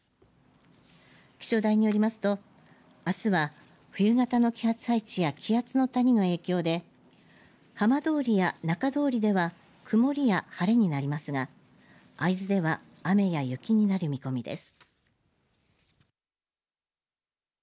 気象台によりますとあすは、冬型の気圧配置や気圧の谷の影響で浜通りや中通りでは曇りや晴れになりますが会津では雨や雪になる見込みです。